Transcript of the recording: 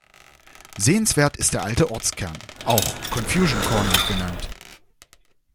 Sehenswert ist der alte Ortskern, auch "Confusion corner" genannt.